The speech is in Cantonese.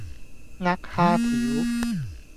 呃蝦條